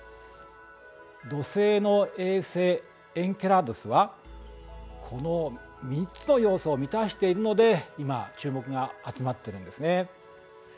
土星の衛星エンケラドゥスはこの３つの要素を満たしているので今注目が集まっているんですね。